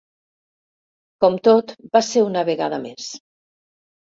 Com tot, va ser una vegada més.